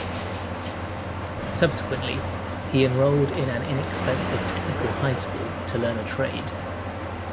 Subsequently, he enrolled in an inexpensive technical high school to learn a trade.